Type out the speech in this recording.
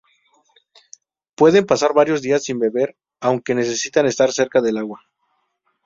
Pueden pasar varios días sin beber, aunque necesitan estar cerca del agua.